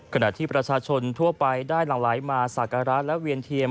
ขณะที่ประชาชนทั่วไปได้หลั่งไหลมาสักการะและเวียนเทียม